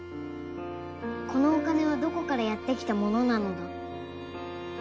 このお金はどこからやってきたものなのだ？